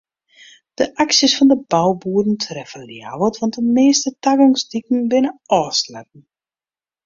De aksjes fan de bouboeren treffe Ljouwert want de measte tagongsdiken binne ôfsletten.